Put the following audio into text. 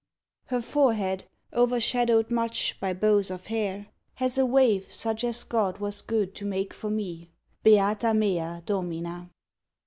_ Her forehead, overshadow'd much By bows of hair, has a wave such As God was good to make for me. _Beata mea Domina!